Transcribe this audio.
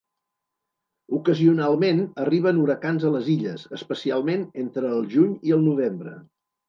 Ocasionalment arriben huracans a les illes, especialment entre el juny i el novembre.